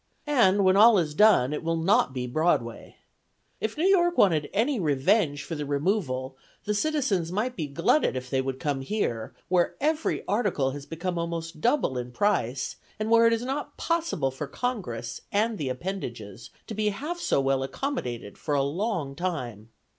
And, when all is done, it will not be Broadway. If New York wanted any revenge for the removal, the citizens might be glutted if they would come here, where every article has become almost double in price, and where it is not possible for Congress, and the appendages, to be half so well accommodated for a long time.